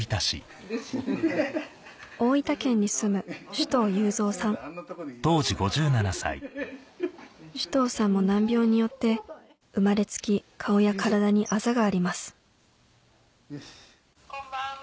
大分県に住む首藤さんも難病によって生まれつき顔や体にあざがありますこんばんは。